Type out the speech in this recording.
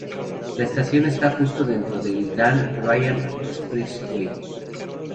La estación está justo dentro del Dan Ryan Expressway.